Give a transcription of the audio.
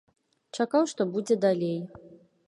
Чакаў, што будзе далей.